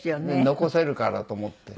残せるからと思って。